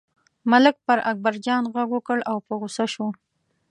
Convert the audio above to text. ملک پر اکبرجان غږ وکړ او په غوسه شو.